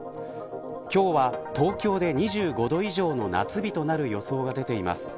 今日は、東京で２５度以上の夏日となる予想が出ています。